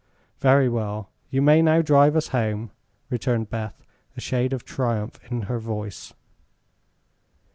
"Very well; you may now drive us home," returned Beth, a shade of triumph in her voice.